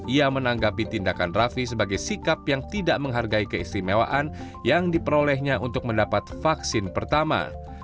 ia menanggapi tindakan raffi sebagai sikap yang tidak menghargai keistimewaan yang diperolehnya untuk mendapat vaksin pertama